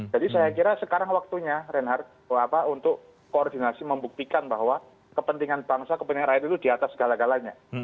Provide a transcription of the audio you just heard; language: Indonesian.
jadi saya kira sekarang waktunya renhard untuk koordinasi membuktikan bahwa kepentingan bangsa kepentingan rakyat itu di atas segala galanya